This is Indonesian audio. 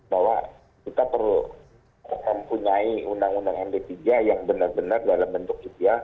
bahwa kita perlu mempunyai undang undang md tiga yang benar benar dalam bentuk rupiah